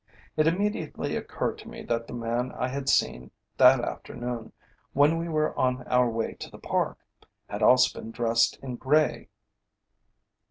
It immediately occurred to me that the man I had seen that afternoon, when we were on our way to the Park, had also been dressed in grey.